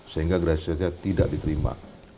sehingga gerasinya tidak diterima